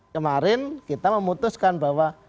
kemarin kita memutuskan bahwa